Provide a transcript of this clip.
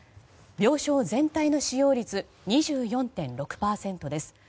病床全体の使用率２４．６％です。